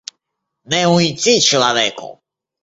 Не уйти человеку!